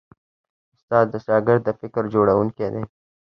استاد د شاګرد د فکر جوړوونکی دی.